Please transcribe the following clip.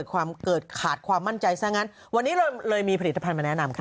เกิดขาดความมั่นใจซะงั้นวันนี้เราเลยมีผลิตภัณฑ์มาแนะนำค่ะ